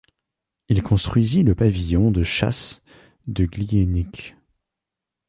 Il construisit le pavillon de chasse de Glienicke.